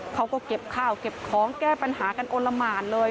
เขาก็เก็บข้าวเก็บของแก้ปัญหากันโอละหมานเลย